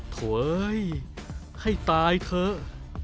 เฮ้ยให้ตายเถอะ